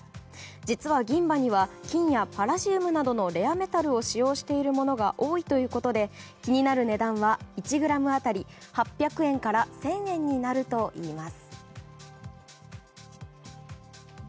実は銀歯には金やパラジウムなどのレアメタルを使用しているものが多いということで気になる値段は１ｇ当たり８００円から１０００円になるといいます。